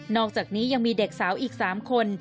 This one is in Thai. อกจากนี้ยังมีเด็กสาวอีก๓คน